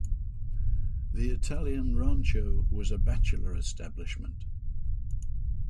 The Italian rancho was a bachelor establishment.